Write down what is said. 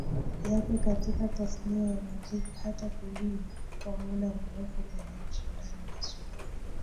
yake katika tasnia ya muziki hata kudumu kwa muda mrefu kwenye ushindani wa soko